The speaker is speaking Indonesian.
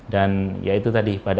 dan ya itu tadi pada